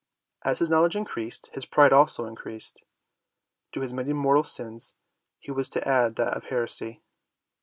As his knowledge increased, his pride also increased. To his many mortal sins he was to add that of heresy.